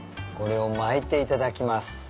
これを巻いて頂きます。